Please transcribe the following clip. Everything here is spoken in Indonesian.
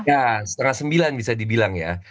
ya setengah sembilan bisa dibilang ya